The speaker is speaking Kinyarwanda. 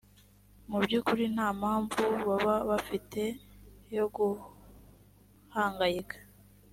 mu by’ukuri nta mpamvu baba bafite yo guhangayika